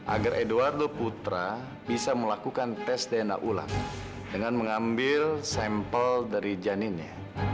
agar edoardo putra bisa melakukan tes dna ulang dengan mengambil sampel dari janinnya